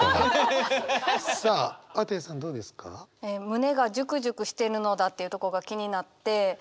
「胸がジュクジュクしてるのだ」っていうとこが気になって。